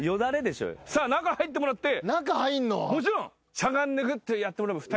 しゃがんでグッてやってもらえば２人が。